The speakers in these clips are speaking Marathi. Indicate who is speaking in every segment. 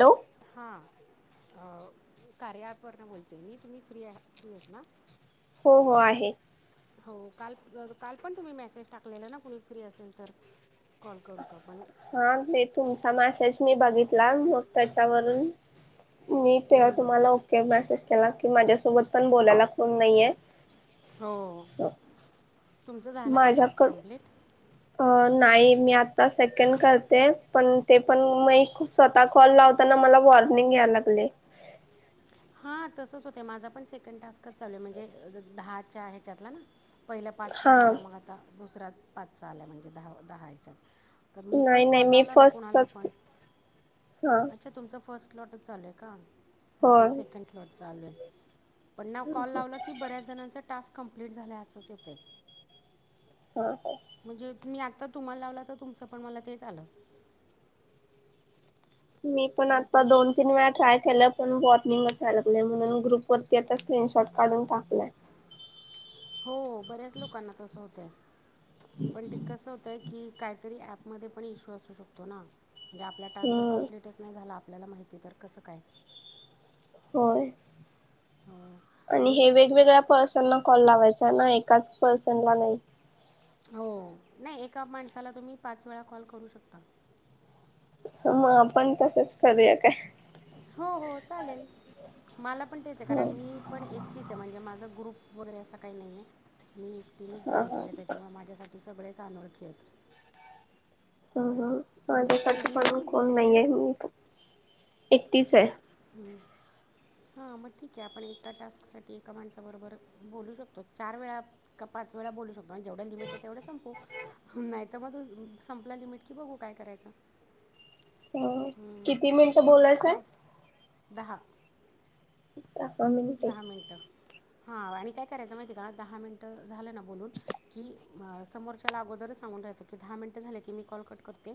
Speaker 1: हॅलो.
Speaker 2: हा. अ. कार्या एप वरून बोलते मी. तुम्ही फ्री फ्री आहात ना
Speaker 1: हो हो आहे.
Speaker 2: हो काल काल पण तुम्ही मेसेज टाकलेला ना कुणी फ्री असेल तर, कॉल करू का पण,
Speaker 1: हा ते तुमचा मेसेज मी बघितला मग त्याच्यावरून मी ते तुम्हाला ओके मेसेज केला की माझ्यासोबत पण बोलायला कोण नाहीये.
Speaker 2: हो तुमचं झालं का टास्क
Speaker 1: माझ्याकड
Speaker 2: कंप्लीट?
Speaker 1: अ नाही मी आता सेकंड करते पण ते पण मी स्वतः कॉल लावताना मला वॉर्निंग घ्या लागले
Speaker 2: हा तसच होत माझा पण सेकंड टास्कच चालू आहे म्हणजे दहाच्या ह्याच्यातला ना पहिल्या पाच
Speaker 1: हा
Speaker 2: झाला मग आता दुसऱ्या पाच आला म्हणजे दहा दहा ह्याच्यात. तर मी पण
Speaker 1: नाही नाही
Speaker 2: कॉल
Speaker 1: मी
Speaker 2: लावला ना कुणाला
Speaker 1: फर्स्टचाच
Speaker 2: पण
Speaker 1: हा
Speaker 2: अच्छा तुमचं फर्स्ट लॉट चालू आहे का
Speaker 1: हो
Speaker 2: लॉट चालू आहे पण कॉल लावलं की बऱ्याच जनाचा टास्क कंप्लीट झालय असंच येतय.
Speaker 1: हा हा
Speaker 2: मी आता तुम्हाला लावला तर तुमचं पण मला तेच आलं
Speaker 1: मी पण आता
Speaker 2: बाकी
Speaker 1: दोन तीन वेळा ट्राय केलं पण वॉर्निंगच यायला लागलय म्हणून ग्रुप वरती आता स्क्रीनशॉट काढून टाकलाय
Speaker 2: हो बऱ्याच लोकांना तस होतय. पण ते कसं होतय की काहीतरी ॲपमध्ये पण इश्यू असू शकतो ना म्हणजे आपला टास्क जर
Speaker 1: हम्म
Speaker 2: कम्प्लीटच नाही झाला. आपल्याला माहिती तर कसं काय
Speaker 1: होय
Speaker 2: हो
Speaker 1: आणि
Speaker 2: तुम्ही
Speaker 1: हे वेगवेगळ्या पर्सनना कॉल लावायचा ना एकाच पर्सनला नाही.
Speaker 2: हो नाही एका माणसाला तुम्ही पाच वेळा कॉल करू शकता.
Speaker 1: हा आपण तसंच करूया काय.
Speaker 2: हो हो चालेल मला पण तेच आहे
Speaker 1: ह
Speaker 2: कारण मी पण एकटीच आहे. म्हणजे माझं ग्रुप वगैरे असं काही नाही आहे. मी एक टिनिक
Speaker 1: हा
Speaker 2: जॉईन
Speaker 1: हा.
Speaker 2: केले त्याच्यामुळे माझ्यासाठी सगळेच अनोळखी आहेत.
Speaker 1: हा हा
Speaker 2: तुम्ही
Speaker 1: माझ्यासाठी
Speaker 2: तुम्ही
Speaker 1: पण कोण
Speaker 2: ग्रुपने
Speaker 1: नाही आहे मी एकटीच आहे.
Speaker 2: हा मग ठीक आहे आपण एका टास्क साठी एका माणसा बरोबर बोलू शकतो चार वेळा पाच वेळा बोलू शकतो आणि जेवढ लमिट आहे. तेवढा संपू नाही तर मग संपला लिमिट कि बघू काय करायचं
Speaker 1: हम्
Speaker 2: हम्म,
Speaker 1: किती मिनिटं बोलायच हाय
Speaker 2: काय दहा
Speaker 1: मिनिटे
Speaker 2: दहा मिनिटं हा आणि काय करायचं माहिती आहे का दहा मिनिटं झालं ना बोलून की समोरच्या अगोदर सांग बोलायच की दहा मिनट झाले की मी कॉल कट करते.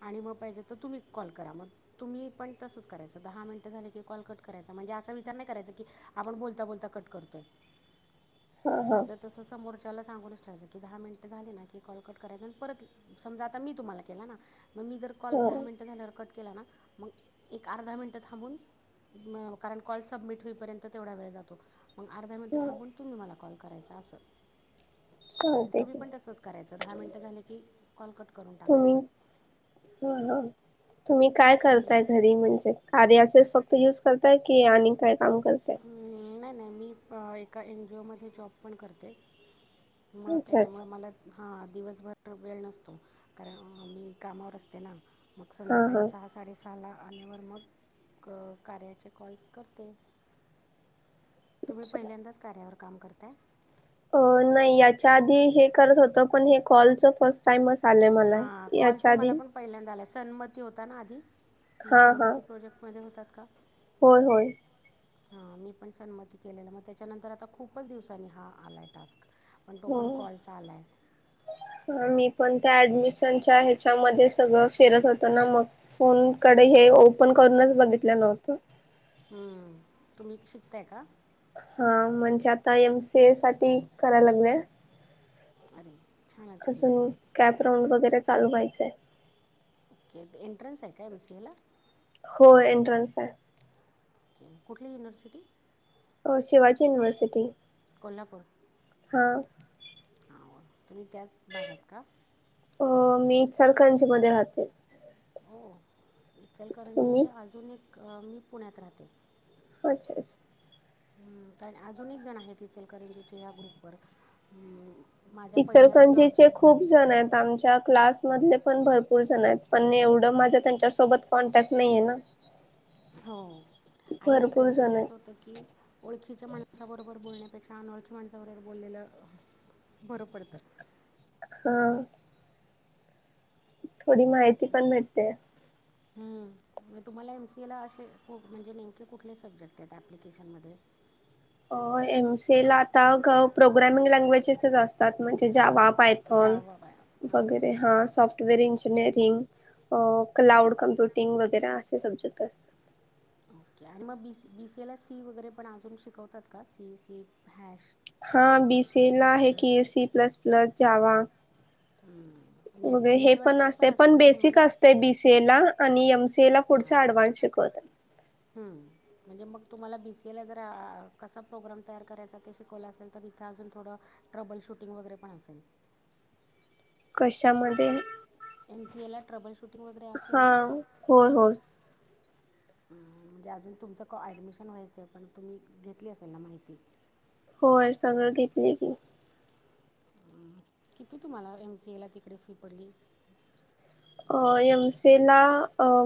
Speaker 2: आणि मग पाहिजे तर तुम्ही कॉल करा मग तुम्ही पण तसंच करायचं दहा मिनिटं झाले की कॉल कट करायचा. म्हणजे अस विचार नाही करायच. आपण बोलता बोलता कट कतोय
Speaker 1: हा हा
Speaker 2: तर तस समोरच्या त्याला सांगूनच ठायचं की दहा मिनिट झाले ना की कॉल कट करायच आणि परत समजा आता मी तुम्हाला केला ना मग मी जर कॉल
Speaker 1: हा.
Speaker 2: दहा मिनटं झाल्यावर कट केला ना मग एक अर्धा मिनटं थांबून कारण कॉल सबमिट होईल पर्यंत तेवढा वेळ जातो मग अर्धा मिनिटं
Speaker 1: हा
Speaker 2: थांबून तुम्ही मला कॉल करायचा असं.
Speaker 1: चालते
Speaker 2: तुम्ही
Speaker 1: की
Speaker 2: पण तसंच करायचं दहा मिनटं झाले की कॉलकट करून टाकायचं
Speaker 1: ह ह तुम्ही काय करताय घरी म्हणजे कार्याचे फक्त युज करताय की आणि काय. काम करते
Speaker 2: हम्म, नाही नाही मी अ एका एन जीओमध्ये जॉब पण करते मग
Speaker 1: अच्छा
Speaker 2: त्याच्यामुळं
Speaker 1: अच्छा
Speaker 2: मला हां दिवसभर वेळ नसतो कारण मी कामावर असते. ना मग
Speaker 1: हा
Speaker 2: संध्याकाळी
Speaker 1: हा
Speaker 2: सहा साडेसहा झाला आल्यावर मग कार्याचे कॉल्स करते. तुम्ही
Speaker 1: अच्छा.
Speaker 2: पहिल्यांदाच कार्यावर काम करताय.
Speaker 1: अ नाही याच्या आधी हे करत होत. पण हे कॉलच फर्स्ट टाइम अस
Speaker 2: हा कॉलच मला पण पहिल्यांदा झालं सन्मती होता ना आधी तुम्ही
Speaker 1: हा हा
Speaker 2: सन्मती प्रोजेक्ट मध्ये होतात.
Speaker 1: होय होय
Speaker 2: हा मी पण सन्मती केलेला मग त्याच्यानंतर आता खूपच दिवसांनी हा आलाय टास्क पण तो पण कॉलचा आला आहे
Speaker 1: मी पण त्याडमिश ह्याच्या म सगळ फिरत होत ना मग फोन कडे हे ओपन करूनच बघित न होत
Speaker 2: हम्म तुम्ही शिकताय का
Speaker 1: हा म्हणजे आता एम सी ए साठी करायला लागलेय
Speaker 2: अरे छानच की
Speaker 1: अजून कॅप राऊंड वगैरे चालू व्हायचंय
Speaker 2: ओके एंट्रन्स आहे का एमसी एला
Speaker 1: हो एंट्रन्स आहे
Speaker 2: कुठली युनिव्हर्सिटी
Speaker 1: शिवाजी युनिवर्सिटी
Speaker 2: कोल्हापूर
Speaker 1: हा
Speaker 2: हो हो तुम्ही त्याच भागात का
Speaker 1: अ मी सरखांजी मध्ये राहते
Speaker 2: हो
Speaker 1: तुम्ही
Speaker 2: इचलकरंजीचे अजून एक मी पुण्यात राहते
Speaker 1: अच्छा अच्छा
Speaker 2: हम् कारण अजून एक जण आहे तिचल करिीचे या ग्रुप व
Speaker 1: इसरकंजीचे खूप जण आहेत आमच्या क्लास मधले पण भरपूर जण आहेत पण एवढं माझं त्यांच्यासोबत कॉन्टॅक्ट नाहीये ना
Speaker 2: हो आणि
Speaker 1: भरपूर
Speaker 2: कधी कधी
Speaker 1: जण आहे
Speaker 2: असं होत की ओळखीच्या माणसाबरोबर बोलण्या पेक्षा अनोळखी माणसावररोर बोललेलं बरं पडतं
Speaker 1: हा थोडी माहिती पण भेटते
Speaker 2: हम तुम्हाला एमसीए ला असे म्हणजे नेमके कुठले सब्जेक्ट आहेत ऍप्लिकेशन मध्ये ह
Speaker 1: एम सी ला आता प्रोग्रामिंग लँग्वेजेसच असतात म्हणजे जवाब पायथॉन
Speaker 2: जावा
Speaker 1: वगैरे
Speaker 2: ओके
Speaker 1: हा सॉफ्टवेअर इ इंजिनिअरिंग क्लाउऊड कम्प्युटिंग वगैरे असे सब्जेक्ट असतात
Speaker 2: ओके आणि मग बीसीए ला सी वगैरे पण अज शिकवतात का सीसी ह
Speaker 1: हा बीसी ला आहे की एसी प्लस प्लस जा्यावा
Speaker 2: हम्म
Speaker 1: वगे हे पण असत पण बेसिक असते बीसीए ला आणि एमसीए ला पुढचा अडव्हान्स शिकवत
Speaker 2: ह म्हणजे मग तुम्हाला बीसीए ला ज कसा प्रोग्राम तयार करायचा ते शिकवला असेल तर थ अजून थोडं ट्रबल शूटिंग वगैरे पण असेल
Speaker 1: कशामध्ये
Speaker 2: एनसीए ला ट्रबल शूटिंग वगैरे असेल
Speaker 1: हा
Speaker 2: ना हं,
Speaker 1: होय होय
Speaker 2: म्हणजे अजून तुमचं ऍडमिशन व्हायचं पण तुम्ही घेतली असेल ना माहिती
Speaker 1: होय सगळं घेतले की
Speaker 2: म किती तुम्हाला एमसी ए ला तिकडे फी पडली
Speaker 1: एम सी ला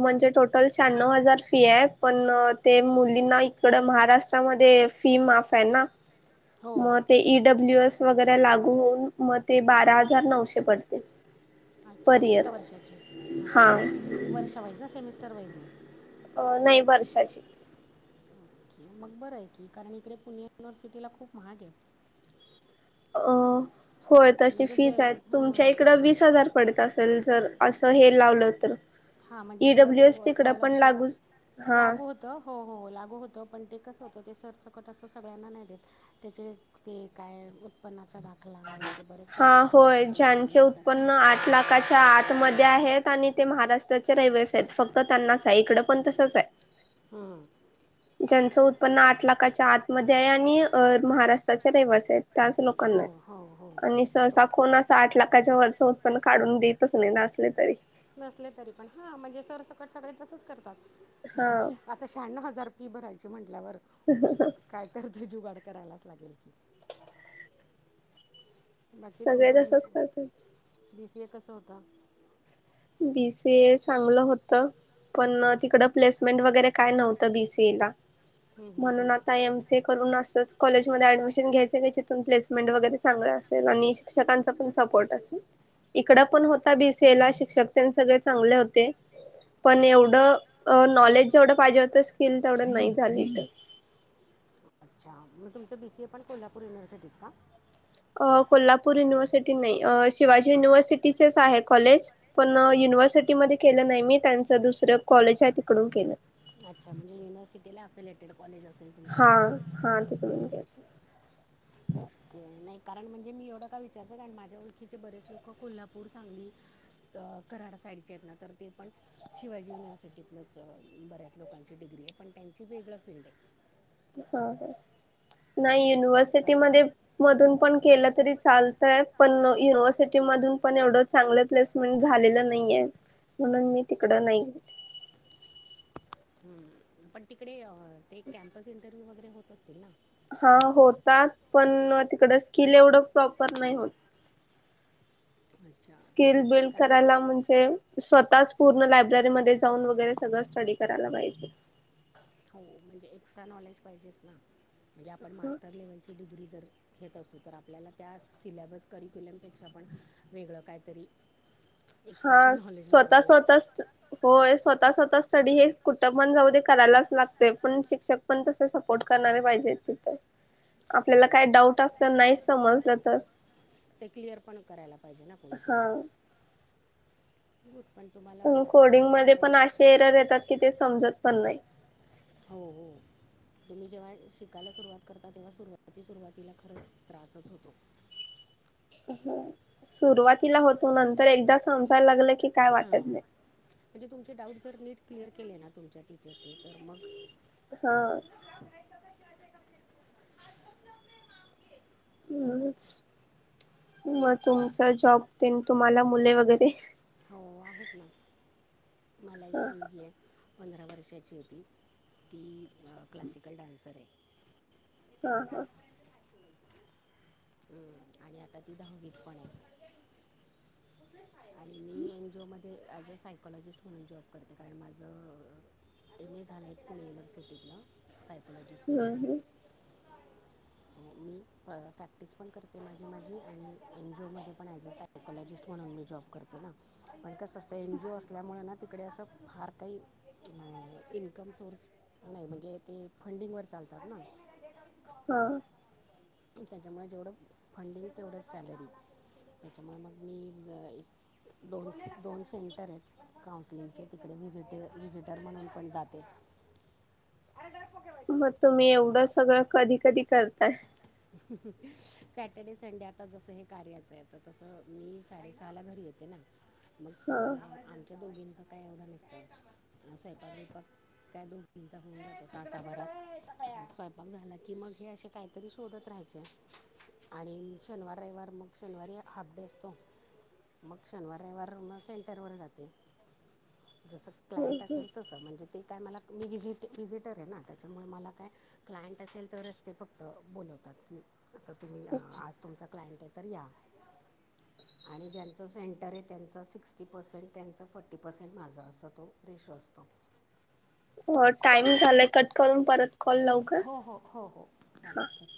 Speaker 1: म्हणजे टोटल श्याण्णव हजार फी आहे पण ते मुलींना इकड महाराष्ट्रामध्ये फी माफ आहे ना
Speaker 2: हो
Speaker 1: मग ते ईडब्ल्यूएस वगैरे लागू होऊन मग ते बारा हजार नऊशे पडते
Speaker 2: अच्छा
Speaker 1: पर
Speaker 2: एका
Speaker 1: इयर
Speaker 2: वर्षाचे हा वर्षा वाईज ना सेमिस्टर वाईज नाही
Speaker 1: अ नाही वर्षाची
Speaker 2: मग बरं आहे की कारण इकडे पुणे युनिव्हर्सिटीला खूप महाग आहे
Speaker 1: अ होय तशी
Speaker 2: म्हणजे जे
Speaker 1: फीज आहे तुमच्या
Speaker 2: हं.
Speaker 1: इकडं वीस हजार पडे असल जर अस हे लावलं तर
Speaker 2: हां म्हणजे
Speaker 1: इडब्ल्यू एस
Speaker 2: सगळ्याच
Speaker 1: तिकड पण
Speaker 2: स्कॉलरशिप
Speaker 1: लागू
Speaker 2: लागू होत हो हो लागू होत पण ते कस होत ते सरसकट असं सगळ्यांना नाही देत त्याचे ते काय उत्पन्ना
Speaker 1: हा होय
Speaker 2: द्यावे
Speaker 1: ज्यांचे
Speaker 2: लागतात ना
Speaker 1: उत्पन्न आठ लाखाच्या आत म आहेत आणि ते महाराष्ट्र रवस आहेत फक्त त्यांनाच आहे इकड पण तसच आहे
Speaker 2: हं.
Speaker 1: ज्यांच पण आठ लाखाच्या आतमध्ये आहे आणि महाराष्ट्राच्या रहिवासी आहेत त्याच लोकांना
Speaker 2: हो हो हो
Speaker 1: आणि सहसा
Speaker 2: तो
Speaker 1: कोण अस आठ लाखाच्या वरच उत्पन्न काढून देतच नाही ना असले तरी
Speaker 2: नसले तरी पण हा म्हणजे सरसकट सगळे तसच
Speaker 1: हा
Speaker 2: करतात आता शहा्णव हजार ी भरायची म्हटल्यावर काय तर ते जुगड करायलाच लागेल की बाकी
Speaker 1: सगळे
Speaker 2: तुमचं बी
Speaker 1: तसच
Speaker 2: सी
Speaker 1: करत
Speaker 2: बी सी ए कसं होता
Speaker 1: विीसे चांगलं होत पण तिकडं प्लेसमेंट वगैरे काय नव्हतं बीसीए ला
Speaker 2: हं,
Speaker 1: म्हणून
Speaker 2: हं.
Speaker 1: आता एम स करून असच कॉलेजमध्येध्ये ऍडमिशन घ्यायचं का जिथून प्लेसमेंट वगैरे चांगलं असेल आणि शिक्षकांचा पण सपोर्ट असेल इकड पण होता बीसीए ला शिक्षक त्यां सगळे चांगले होते पण एवढं नॉलेज जेवढं पाहिजे होतं स्किल तेवढं नाही झाली
Speaker 2: अच्छा मग तुमच बीसी ए पण कोल्हापूर युनिव्हर्सिटीत का
Speaker 1: कोल्हापूर युनिव्हर्सिटी नाही शिवाजी युनिव्हर्सिटीचेच आहे कॉलेज पण युनिव्हर्सिटी मध्ये केलं नाही मी त्यांच दुसरं कॉलेज आहे तिकडून केलं
Speaker 2: अच्छा म्हणजे युनिव्हर्सिटीला अफिलेटेड कॉलेज असेल तुमचं
Speaker 1: हा हा तिकडून केलं.
Speaker 2: नाही कारण म्हणजे मी एवढं का विचारतं कारण माझ्या ओळखीचे बरेच लोकं कोल्हापूर सांगली कराड साडीचे आहेत ना तर ते पण शिवाजी युनिव्हर्सिटीतलंच बऱ्याच लोकांची डिग्री पण त्यांची वेगळ फीलल्ड आहे
Speaker 1: नाही युनिव्हर्सिटी
Speaker 2: पण
Speaker 1: म मधून पण केलं तरी चालतंय पण युनिव्हर्सिटी मधून पण एवढं चांगलं प्लेसमेंट झालेलं नाहीय म्हणून मी तिकडं नाही गे
Speaker 2: हम्म पण तिकडे ते कॅम्पस इंटरव्ह्यू वगैरे होत असतील ना
Speaker 1: हा होतात पण तिकडं स्किल एवढं प्रॉपर नाही होत
Speaker 2: अच्छा
Speaker 1: स्किल बिल्ड
Speaker 2: कारण
Speaker 1: करायला म्हणजे स्वतःच पूर्ण लायब्ररीमध्ये जाऊन वगैरे सगळं स्टडी करा करायला पाहिजे
Speaker 2: हो म्हणजे एक्ट्रा नॉलेज पाहिजे ना म्हणजे आपण मास्टर लेव्हल ची ड्री ग्री जर घेत असू तर आपल्याला त्या सिलेबस करिक्युलमपेक्षा पण वेगळं काहीतरी ह
Speaker 1: हा स्वतः स्वतःच होय स्वतः स्वतः स्टडी हे कुठं पण जाऊ दे करायलाच लागतेय पण शिक्षक पण तसे सपोर्ट करणारे पाहिजेत तिथे आपल्याला काय
Speaker 2: हो
Speaker 1: डाऊट असलं नाही समजलं तर
Speaker 2: ते क्लिअर पण करायला पाहिजे ना कोणीतरी
Speaker 1: हा
Speaker 2: ब
Speaker 1: कोडिंग मध्ये पण असे एरर येतात की ते समजत पण नाही
Speaker 2: हो हो तुम्ही जेव्हा शिकायला सुरुवात करता तेव्हा सुरुवाती सुरुवातीला खरंच त्रासच होतो
Speaker 1: सुरुवातीला होतो नंतर एकदा समजायला लागलं की की काय वाटत नाही
Speaker 2: तुम डाऊट जर नट क्लिअर केले ना तुमच्या टीचर्सनी तर मग
Speaker 1: हा. [unintelligible]
Speaker 2: तसा
Speaker 1: हम्म, मग तुमचा जॉब तेन, तुम्हाला मुले वगैरे?
Speaker 2: हो आहेत ना, मला
Speaker 1: हा
Speaker 2: एक मुलगी आहे. पंधरा वर्षाचीये ती, ती अ क्लासिकल डान्सर आहे.
Speaker 1: हा हा.
Speaker 2: हम्म आणि आता ती दहावीत पण आहे. आणि मी एनजीओमध्ये ॲज अ सायकॉलॉजिस्ट म्हणून जॉब करते, कारण माझं एमए झालयं पुणे युनिव्हर्सिटीतन साय
Speaker 1: हम्म हम्म.
Speaker 2: मी अ प्रॅक्टिस पण करते माझी माझी आणि एनजीओ मध्ये पण ॲज अ सायकोलॉजिस्ट म्हणून मी जॉब कर त ना पण कस असतं एनजीओ असल्यामुळं ना तिकडे असं फार काही अ इन्कम सोर्स नाही, म्हणजे ते फंडिंगवर चाल लतात ना
Speaker 1: हा.
Speaker 2: त्याच्यामुळे जेवढं फंडिंग, तेवढं सॅलरी. त्याच्यामुळे मग मी ज एक दोस दोन सेंटर आहेत, काउन्सिलिंगचे तिकडे व्हिजीट व्हिजिटर म्हणून पण जाते. [unintelligible]
Speaker 1: मग तुम्ही एवढं सगळं कधी, कधी करताय?
Speaker 2: सॅटर्डे, संडे आता जसं हे कार्याचं आहे, तर तसं मी साडे सहाला घरी येते. मग
Speaker 1: हा.
Speaker 2: आमच्या दोघींच काय एवढं नसतं, अ स्वयंपाक बिपाक काय दोघींचा होऊन जातो तसाभरात, स्वयंपाक झाला की मग हे असे काहीतरी श शोधत राहायचे आणि शनवार, रविवार मग शनिवारी हाफ डे असतो मग शनिवार रविवार म सेंटर वर जाते. जसं क्लायंट असेल तसं, म्हणजे ते काय मला मी व्हिजीट व्हिजिटरये ना, त्याच्यामुळे मला काय क्लायंट असेल तरच ते फक्त बोलवतात की, तर तुम्ही आज तुमचा क्लायंट आहे तर या. आणि ज्यांचं सेंटरये त्यांचा सिक्स्टी पर्सेंट त्यांचा, फोर्टी पर्सेंट माझा असा तो रेशो असतो. [unintelligible]
Speaker 1: हो टाइम झालाय, कट करून परत कॉल लावू का?
Speaker 2: हो हो हो हो. चालेल कर.